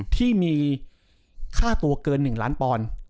ที่มีค่าตัวเกิน๑ล้านปอนด์